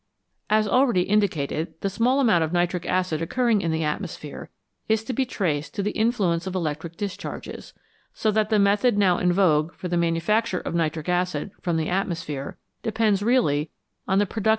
As already indicated, the small amount of nitric acid occurring in the atmosphere is to be traced to the influence of electric discharges, so that the method now in vogue for the manufacture of nitric acid from the atmosphere depends really on the production of artificial lightning.